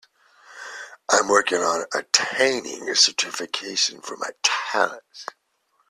I am working on attaining certification for my talents.